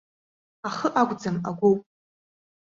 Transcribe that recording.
Ахы акәӡам агәоуп.